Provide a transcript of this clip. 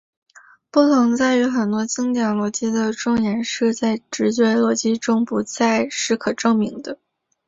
不同在于很多经典逻辑的重言式在直觉逻辑中不再是可证明的。